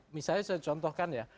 misalnya saya contohkan ya